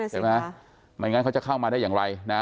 ไม่งั้นเขาจะเข้ามาได้อย่างไรนะ